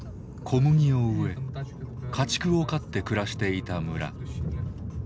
小麦を植え家畜を飼って暮らしていた村。